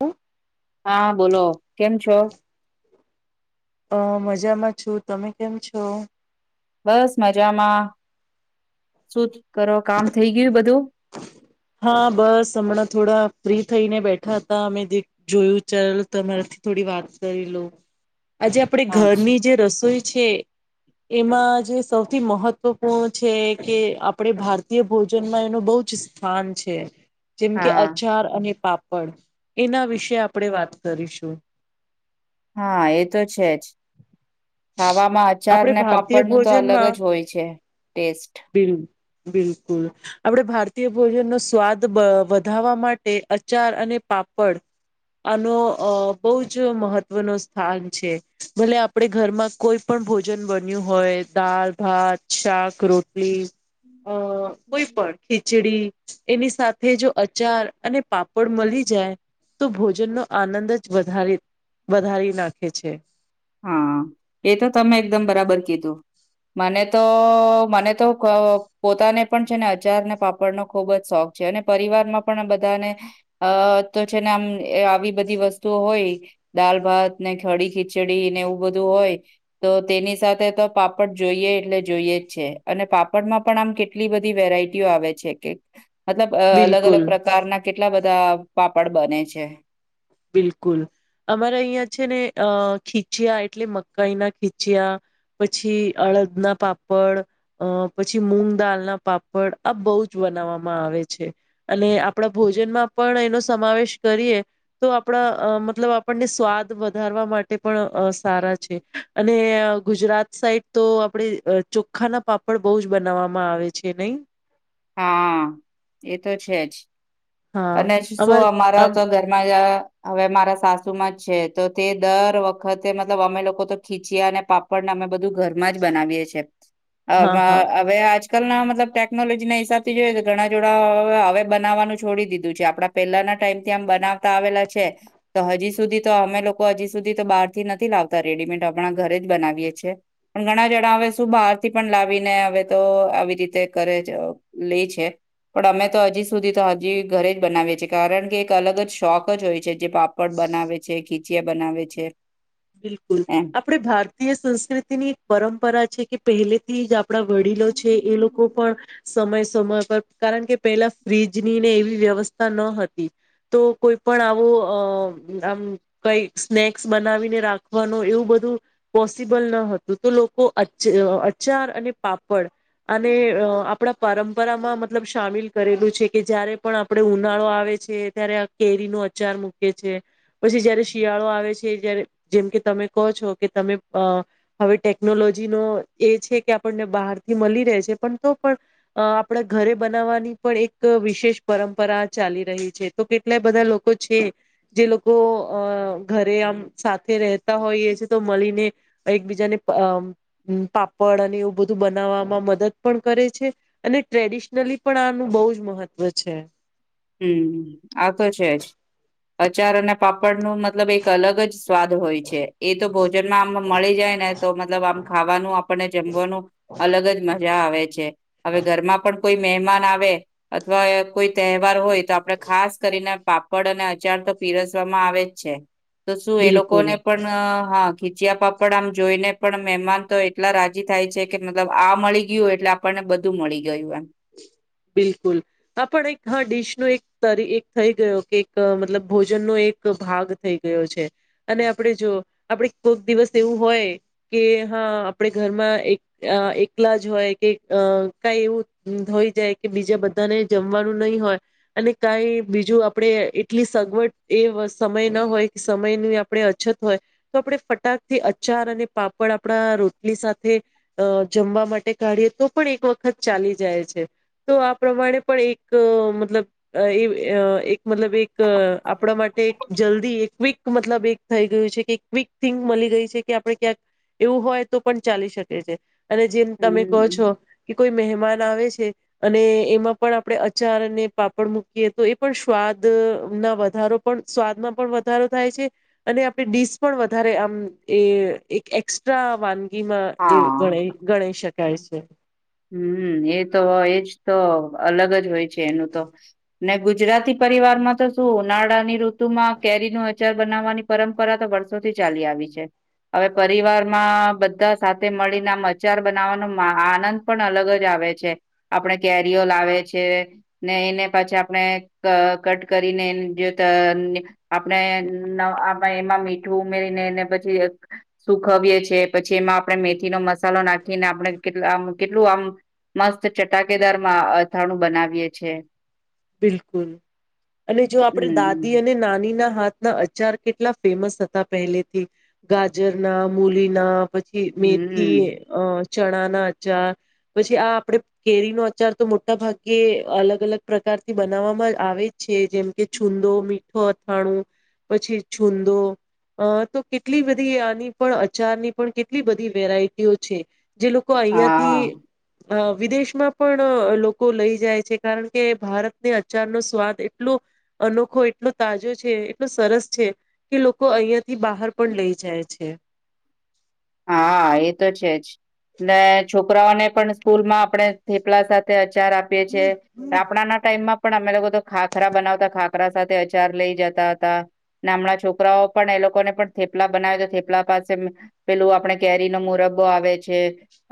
હ. હા. બોલો કેમ છો. અ મજામાં છું. તમે કેમ છો.? બસ મજામાં શું. કરો કામ થઈ ગયું બધું.. હા બસ હમણાં થોડા ફ્રી થઈને બેઠા હતા. અમે જે જોયું ચાલ તમારાથી થોડી વાત કરી લોઉ. આજે આપે અચ્છા. ઘરની જે રસોઈ. છે. એમાં જે સૌથી મહત્વપૂર્ણ છે કે આપણે ભારતીય ભોજનમાં એનો બહુ જ. સ્થાન છે. જેમ કે હા અચાર અને પાપ. પણ એના વિશે આપણે વાત કરીશું.. હા એ તો છે જ. ખાવામાં અચાર આપણે ને ભારતીય પાપડનું તો અલગ ભોજનમાં જ હોય છે ટેસ્ટ.. બિલ ભારતી ભોજનનોો સ્વાદ વધાવવા માટે અચાર અને પાપડ આનો બહુ જ મહત્વ ન સ્થાન છે. ભલે આપણે. ઘરમાં કોઈ પણ ભોજન બન્યું હોય દાલ ભાત શાક રોટલી. અ કોઈ પણ ખીચડી એની સાથે જો અચાર. અને પાપડ મળી જાય તો ભોજનનો આનંદ જ વધારે વધારી નાખે છે. હા એ તો તમે એકદમ બરાબર કીધું મને તો મને તો પોતાને પણ છે ને અચારને પાપડનો ખુબ જ શોખ છે અને પરિવારમાં પણ બધાને અ તો છે ને આમ. એ આવી બધી વસ્તુઓ હોય દાલ ભાત ને કડી ખીંચી ચડી ને એવું બધું હોય તો તેની સાથે તો પાપડ જોઈએ એટલે જોઈએ જ છે અને પાપડમાં પણ આમ કેટલી બધી વેરાયટીઓ આવે છે કે. મતલબ અ અલગ બિલકુલ અલગ પ્રકારના કેટલા બધ બધા પાપડ બને છે. બિલકુલ અમારે અહિયાં છે ને અ ખીચયા એટલે મકાઈ ના ખીચયા પછી અડદના પાપડ અ પછી મૂગ દળના પાપડ આ બહુ જ બનાવવામાં આવે છે અને આપણા ભોજનમાં પણ એનો સમાવેશ કરીએ. તો આપણા મતલબ આપણને સ્વાદ વધારવા માટે પણ સારા છે અને ગુજરાત સાઈડ તો આપણે ચોખ્ખાના પાપડ બો જ બનાવવામાં આવે છે નહી. હા એ તો છે જ. હા અને શું અમારે અમારા આમ તો ઘરમાં જ આ હવે મારા સાસુમાં જ છે તો તે દર વખતે મતલબ અમે લોકો તો ખીચયા અને પાપડને અમે બધું ઘરમાં જ બનાવીએ જ છે. હ હા હા હવે આજ. આજકલ ના મતલબ ટેકનોલોજી ના હી સાબ થી જોયે તો ઘણા જોડા હવે બનાવાનું છોડી દીધું છે આપડા પેલાના ટાઈમથી આમ બનાવતા આવેલા છે તો હજી સુધી તો અમે લોકો હજી સુધી તો બહાર થી નથી લાવતા રેડીમેડ આપણા ઘરે જ બનાવીએ છેએ પણ ઘણા જણા હવે શું બહાર થી પણ લાવીને હવે તો આવી રીતે કરે છે. લે છે પણ અમે તો હજી સુધી તો હજી ઘરે જ બનાવીએ છીએ કારણ કે એક અલગ જ શોખ જ હોય છે. જે પાપડ બનાવે છે ખી ખીચયા બનાવે છે. બિલકુલ એમ આપણે ભારતીય સંસ્કૃતિની એક પરંપરા છે કે. પહેલેથી જ આ આપદા વડીલો છે એ લોકો પણ. સમય સમય પર કારણ કે પેલા ફ્રીજની ને એવી વ્યવસ્થા ન હતી તો કોઈ પણ આવો આમ કઈ સ્નેક્સ બનાવીને. રાખવાનું એવું બધું પોસિબલ ન હતું તો લોકો અ અચાર અને પાપડ આને આપણા પરંપરામાં મતલબ સામેલ કરેલું છે કે જયારે પણ આપણે ઉનાળો આવે છે ત્યારે આ કેરીનોો અચાર મૂકે છે પછી જયારે શિયાળો આવે છે જ્યારે. જેમ કે તમે કહો છો કે તમે હવે ટેકનોલોજીનો એ છે કે આપણને બહારથી મળી રહે છે પણ તો પણ આપણા ઘરે બનાવવાની પણ એક વિશેષ પરંપરા ચાલી રહી છે તો કેટલાય બધા લોકો છે જે લોકો અ ઘરે આમ. સાથે રહેતા હોયએ છે તો મળીને એકબીજાને પાપડ અને એવું બધું બનાવવામાં મદદ પણ કરે છે અને ટ્રેડિશનલી પણ આનું બહુ જ મહત્વ છે. હમ આ તો છે જ અચાર અને પાપડ. ન મતલબ એક અલગ જ સ્વાદ હોય છે એ તો ભોજનમાં આમ મળી જાય ને તો મતલબ આમ ખાવાનું આપણને જમવાનું અલગ જ મજા આવે છે હવે ઘરમાં પણ. કોઈ મહેમાન આવે અથવા કોઈ. બાર હોય તો આપડે ખાસ કરીને. પાપડ અને અચાર તો પીરસવામાં આવે જ છે. તો શું એ બિલકુલ લોકોને પણ હા. ખીચયા પાપડ આમ જોઈને પણ મહેમાન તો એટલા રાજી થાય છે કે મતલબ આ મળી ગયું હો એટલે આપણને બધું મળી ગયું એમ. બિલકુલ આપણ એક હ ડિશ. ન એક એક થઈ ગયો કે એક મતલબ ભોજનનોો એક ભાગ થઈ ગયો છે અને આપણે જો આપડ કોઈક દિવસ એવું હોય કે હા આપણે ઘરમાં એક એકલા જ હોય કે કઈ એવું. થઈ જાય કે બીજા બધાને જમવાનું નહીિ હોય અને કાઈ બીજું આપડણે એટલી સગવડ એ સમય ન હોય કે સમયની આપણે અછત હોય તો આપણે ફટાકથી અચાર અને પાપડ આપણા રોટલી સાથે અ જમવા માટે કાઢીએ તો પણ એક વખત ચાલી જ. જાય છે તો આ પ્રમાણે પણ એક મતલબ એ એક મતલબ એક આપણા માટે એક જલ્દી એક ક્વિક મતલબ એક થઈ ગયું છે કે ક્વિક થિંક મળી ગઈ છે કે આપણે ક્યાંક એવું હોય તો પણ ચાલી શકે છે. અને જેમ તમે કહો હમ છો કે કોઈ મહેમાન આવે છે અને એમાં પણ આપણે અચાર અને પાપડ મૂકીએ તો એ પણ સ્વાદ ના વધારી સ્વાદમાં પણ વધારો થાય છે અને આપણે ડીશ પણ વધારે આમ એક એસ્ટ્રા વાન વાનગી માં એ હા ગણાય ગણાય શકાય છે. હમમ એ તો એજ તો અલગ જ હોય છે એનું તો ને ગુજરાતી પરિવારમાં તો શું ઉનાળાની ઋતુમાં કેરી નું અચાર બનાવવાની પરંપરા તો વર્ષોથી ચાલી આવી છે. હવે પરિવારમાં બધા સાથે મળીને આમ અચાર બનાવવાનો આનંદ પણ અલગ જ આવે છે. આપણે કેરીઓ લાવે છે ને એને પછી આપણે કટ કરીને જે આપણે એમાં મીઠું ઉમેરીને એને પછી સુખવીએ છીએ પછી એમાં આપણે મેથી નો મસાલો નાખીને આપણે કેટલા આમ કેટલું આમ મસ્ત ચટાકેદાર માં અથાણું બનાવીએ છે. બિલકુલ અને જો આપડી દાદી હમ અને નાની ના હાથ ના અચાર કેટલા ફેમસ હતા પહેલેથી ગાજરના, મુલીના. પછી મેથી હમ અ ચણા ના અચાર પછી આ આપડે કેરીનો અચાર તો મોટા ભાગે અલગ અલગ પ્રકાર થી બનાવવામાં આવે છે જેમ કે છુંંદો, મીઠો અથાણું પછી છુંંદો અ તો કેટલી બધી આની પણ અચારની પણ કેટલી બધી વેરાયટીઓ છે. જે લોકો અહયા થી હા અ વિદેશમાં પણ લોકો લઈ જાય છે કારણ કે ભારત અચાર નો સ્વાદ એટલો અનોખો એટલો તાજો છે એટલો સરસ છે કે લોકો અહિયાં થી બહાર પણ લઇ જાય છે. હા એ તો છે જ ને છોકરાઓને પણ સ્કૂલ માં આપણે થેપલા સાથે આચાર આપીએ છીએ આપણા ના ટાઈમમાં પણ અમે લોકો તો ખાખરા બનાવતા ખાખરા સાથે અચાર લઈ જતા હતા અમના છોકરાઓ પણ એ લોકોને પણ થેપલા બનાવી તો થેપલા પાસે પેલું આપણે કેરીનો મુરબ્બો આવે છે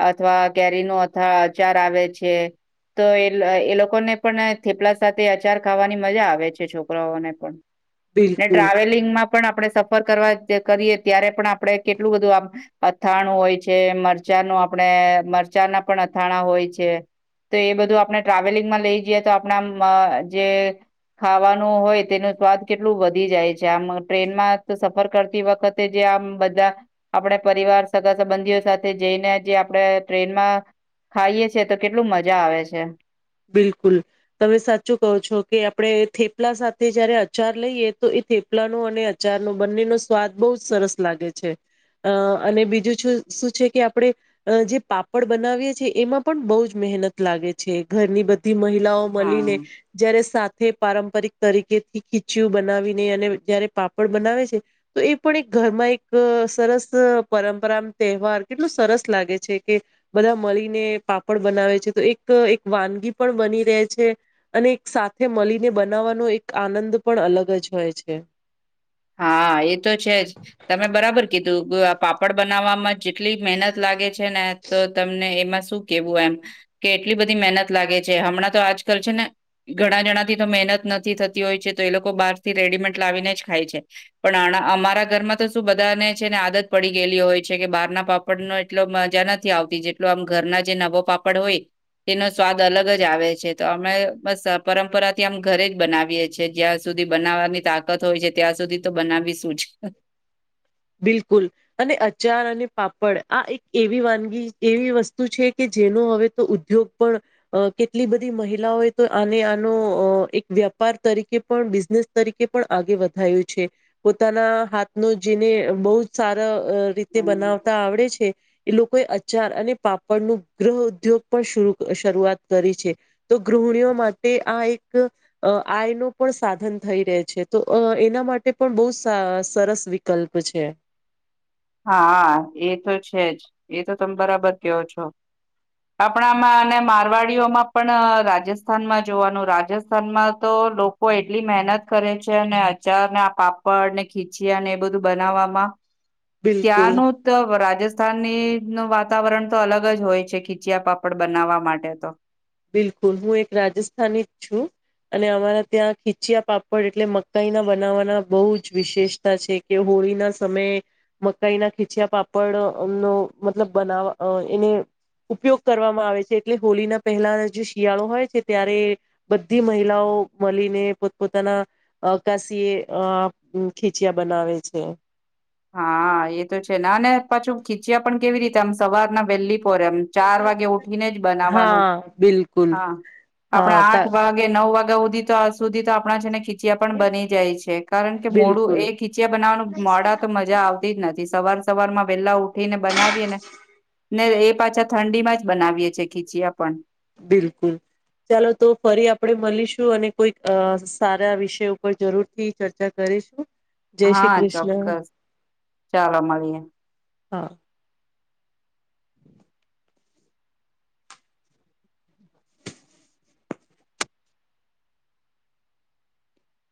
અથવા કેરીનો અથ અચાર આવે છે તો એ એ લોકોને પણ થેપલા સાથે અચાર ખાવાની મજા આવે છે છોકરાઓને પણ. ને બિલકુલ ટ્રાવેલિંગ માં પણ આપણે સફર કરવા કરીએ ત્યારે પણ આપડે કેટલું બધું આમ અથાણું હોય છે, મરચાંનું આપણે મરચાં ના પણ અથાણા હોય છે તો એ બધું આપણે ટ્રાવેલિંગમાં લઈ જઈએ તો આપણા જે ખાવાનું હોય તેનું સ્વાદ કેટલું વધી જાય છે. આમ ટ્રેનમાં સફર કરતી વખતે જે આમ બધા આપણે પરિવાર, સગા સંબંધીઓ સાથે જઈને જે આપડે ટ્રેનમાં ખાઈએ છીએ તો કેટલું મજા આવે છે. બિલકુલ તમે સાચું કહો છો કે આપણે થેપલા સાથે જયારે અચાર લઈએ તો એ થેપલાનો અને અચારનો બંનેનો સ્વાદ બો સરસ લાગે છે અ અને બીજું શું છે કે આપણે જે પાપડ બનાવીએ છીએ એમાં પણ બો જ મહેનત લાગે છે. ઘરની બધ બધી મહિલાઓ મળીને હા. જયારે સાતથી સાથે પારંપરિક તરીકેથી ખીચું બનાવીને અને જયારે પાપડ બનાવે છે તો એ પણ એક ઘરમાં એક સરસ પરંપરા તહેવાર કેટલો સરસ લાગે છે કે બધા મળીને પાપડ બનાવે છે તો એક વાનગી પણ બની રહે છે અને એક સાથે મળીને બનાવવાનો એક આનંદ પણ અલગ જ હોય છે. હા એ તો છે જ તમે બરાબર કીધું. કીધું તું પાપડ બનાવવામાં જેટલી મહેનત લાગે છે છે ને તો તમને એમાં શું કેવું એમ કે એટલી બધી મહેનત લાગે છે. હમણાં તો આજકાલ છે ને ઘણા જણા થી તો મહેનત નથી થતી હોય છે તો એ લોકો બહાર થી રેડીમેડ લાવીને જ ખાય છે. પણ આના અમારા ઘરમાં તો શું બધાને છેને આદત પડી ગયેલી હોય છે કે બહારના પાપડનો એટલો મજા નથી આવતી જેટલો આમ ઘરના જે નવો પાપડ હોય તેનો સ્વાદ અલગ જ આવે છે તો અમે બસ પરંપરાથી આમ ઘરે જ બનાવીએ છીએ. જ્યાં સુધી બનાવવાની તાકત હોય છે ત્યાં સુધી તો બનાવીશું જ. બિલકુલ અને અચાર અને પાપડ આ એક એવી વાનગી એવી વસ્તુ છે કે જેનો હવે તો ઉદ્યોગ પણ કેટલી બધી મહિલાઓએ તો આને આનો એક વ્યાપાર તરીકે પણ બિઝનેસ તરીકે પણ આગે વધાયું છે પોતાના હાથનો જેને બહુ જ સારા રીતે બનાવતા આવડે છે એ લોકોએ અચાર અને પાપડનું ગ્રહ ઉદ્યોગ પણ શરૂઆત કરી છે તો ગૃહિણીઓ માટે આ એક આય નો પણ સાધન થઈ રહે છે તો એના માટે પણ બહુ સરસ વિકલ્પ છે. હા એ તો છે જ એ તો તમે બરાબર કેહો છો. આપણામાં અને મારવાડીઓમાં પણ રાજસ્થાનમાં જોવાનું રાજસ્થાનમાં તો લોકો એટલી મહેનત કરે છે ને અચારને, આ પાપડ ને, ખીચયા ને એ બધું બનાવવામાં. બિલકુલ ત્યાંનું તો રાજસ સ્થાની ણુ વાતાવરણ તો અલગ જ હોય છે ખીચયા પાપડ બનાવવા માટે તો. બિલકુલ હું એક રાજસ્થાની જ છું અને અમારા ત્યાં ખીચયા પાપડ એટલે મકાઈના બનાવવાના બહુ જ વિશેષતા છે કે હોળીના સમયે મકાઈના ખીચયા પાપડમનો મતલબ બનાવવા એને ઉપયોગ કરવામાં આવે છે એટલે હોળીના. પહેલા જે શિયાળો હોય છે ત્યારે બધી મહિલાઓ મળીને પોતપ પોતાના અ કશી એ ખીચયા બનાવે છે. હા એ તો છે ને અને પાછું ખીચ્યા પણ કેવી રીતે આમ સવાર ના વહેલી. [unintelligible] એમ ચાર વાગે ઉઠીને જ બનાવવાનું. હા બિલકુલ હા આપણા હા તા આઠ વાગે નવ. [unintelligible] તો સુધી તો આપણા જે ખીચિયા પણ બની જાય છે કારણ કે મોડું બિલકુલ એ ખીચિયા બનાવાનું મોડા તો મજા આવતી જ નથી સવાર. સવારમાં વહેલા ઉ ને બનાવીને ને એ. પાછા ઠંડીમાં જ બનાવીએ છીએ ખીચયા પણ. બિલકુલ ચાલો તો ફરી આપણેે મળીશું અને કોઈક અ સારા વિષય ઉપર જરૂર થી ચર્ચા કરીશું. જય શ્રી હા કૃષ્ણ ચોક્કસ ચાલો મળીએે. હા.